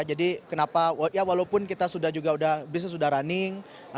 jadi kenapa ya walaupun kita sudah juga udah bisnis sudah rana